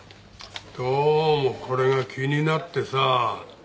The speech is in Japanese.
どうもこれが気になってさ。